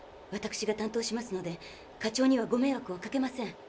私が担当しますので課長にはごめいわくはかけません。